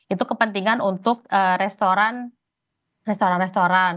itu kepentingan untuk restoran restoran